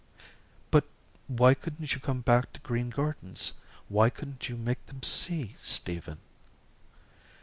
"But why couldn't you come back to Green Gardens why couldn't you make them see, Stephen?"